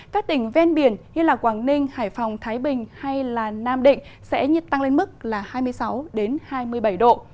các tỉnh ven biển như quảng ninh hải phòng thái bình hay nam định sẽ nhiệt tăng lên mức là hai mươi sáu hai mươi bảy độ